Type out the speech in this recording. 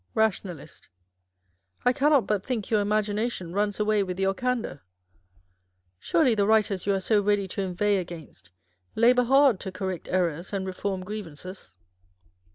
Rationalist. I cannot but think your imagination runs away with your candour. Surely the writers you are so ready to inveigh against labour hard to correct errors and reform grievances.